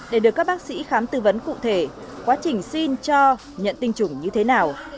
để được các bác sĩ khám tư vấn cụ thể quá trình xin cho nhận tinh chủng như thế nào